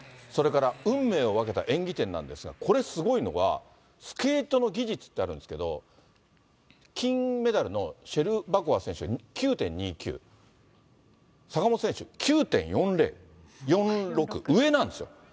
それから運命を分けた演技点なんですが、これ、すごいのは、スケートの技術ってあるんですけど、金メダルのシェルバコワ選手、９．２９、坂本選手、９．４６、上なんですよ。